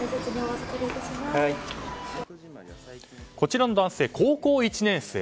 こちらの男性、高校１年生。